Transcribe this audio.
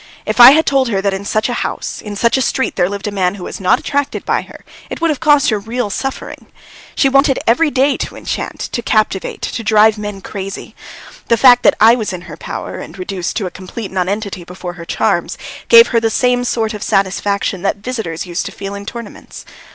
If I had told her that in such a house, in such a street, there lived a man who was not attracted by her, it would have caused her real suffering. She wanted every day to enchant, to captivate, to drive men crazy. The fact that I was in her power and reduced to a complete nonentity before her charms gave her the same sort of satisfaction that visitors used to feel in tournaments.